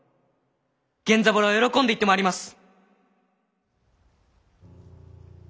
源三郎は喜んで行ってまいります！